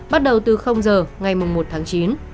bắt đầu từ h ngày một tháng chín